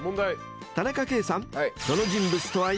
田中圭さん］